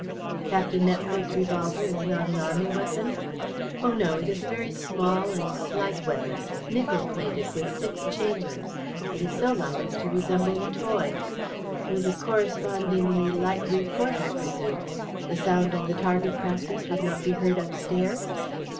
"Captain Nepcote's revolver is not an army weapon?" "Oh, no. It is a very small and slight weapon, nickel plated, with six chambers. It is so light as to resemble a toy." "With a correspondingly light report, I presume. The sound of the target practice would not be heard upstairs?"